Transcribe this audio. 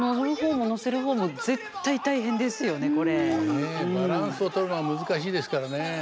ねえバランスをとるのが難しいですからね。